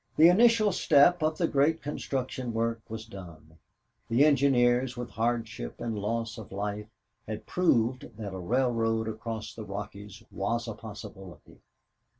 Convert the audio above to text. The initial step of the great construction work was done, the engineers with hardship and loss of life had proved that a railroad across the Rockies was a possibility.